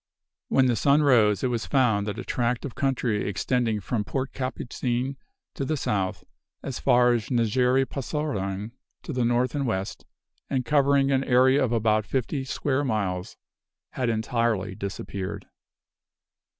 When the sun rose, it was found that a tract of country extending from Point Capucine to the south as far as Negery Passoerang, to the north and west, and covering an area of about fifty square miles, had entirely disappeared.